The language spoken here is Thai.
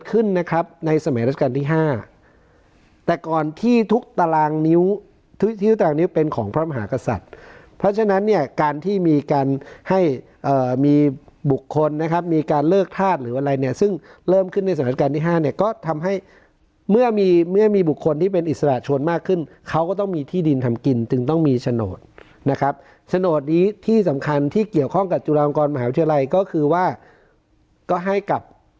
ของพระมหากษัตริย์เพราะฉะนั้นเนี่ยการที่มีการให้มีบุคคลนะครับมีการเลิกธาตุหรืออะไรเนี่ยซึ่งเริ่มขึ้นในสังเกิดการณ์ที่๕เนี่ยก็ทำให้เมื่อมีเมื่อมีบุคคลที่เป็นอิสระชนมากขึ้นเขาก็ต้องมีที่ดินทำกินจึงต้องมีชโนทนะครับชโนทนี้ที่สำคัญที่เกี่ยวข้องกับจุฬาวงค์กรมหาวิทยาล